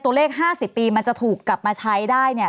ตัวเลข๕๐ปีมันจะถูกกลับมาใช้ได้เนี่ย